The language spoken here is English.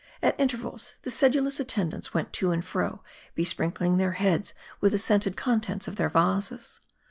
At intervals the sedulous attendants went to and fro, besprinkling their heads with the scented contents of their vases.